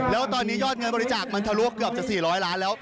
แล้วตอนนี้ยอดเงินบริจาคมันทะลุเกือบจะ๔๐๐ล้านแล้ว